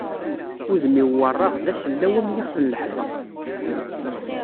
Udem-iw werraɣ d asellaw am yixef n laḥbeq.